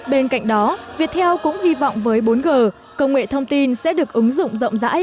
bên cạnh đó viettel cũng hy vọng với bốn g công nghệ thông tin sẽ được ứng dụng rộng rãi